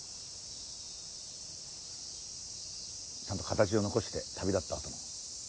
ちゃんと形を残して旅立ったと思う。